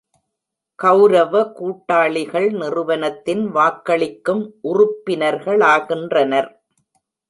கெளரவ கூட்டாளிகள் நிறுவனத்தின் வாக்களிக்கும் உறுப்பினர்களாகின்றனர்.